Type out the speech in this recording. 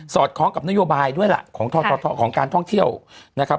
อดคล้องกับนโยบายด้วยล่ะของการท่องเที่ยวนะครับ